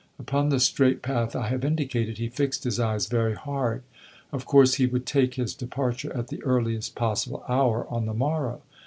Upon the straight path I have indicated, he fixed his eyes very hard; of course he would take his departure at the earliest possible hour on the morrow.